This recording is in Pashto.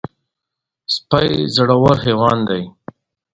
سپي زړور حیوان دی.